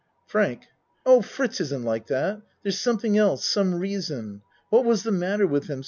FRANK Oh, Fritz, isn't like that. There's something else some reason. What was the mat ter with him